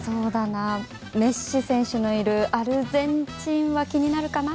メッシ選手のいるアルゼンチンは気になるかな。